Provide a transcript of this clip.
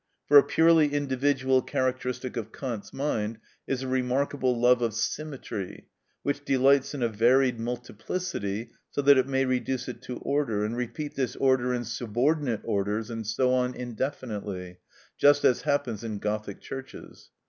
For a purely individual characteristic of Kant's mind is a remarkable love of symmetry, which delights in a varied multiplicity, so that it may reduce it to order, and repeat this order in subordinate orders, and so on indefinitely, just as happens in Gothic churches.